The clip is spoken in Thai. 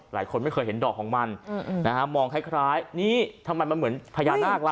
หลายคนไม่เคยเห็นดอกของมันนะฮะมองคล้ายนี่ทำไมมันเหมือนพญานาคล่ะ